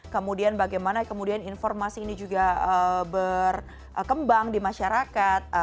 kemudian bagaimana kemudian informasi ini juga berkembang di masyarakat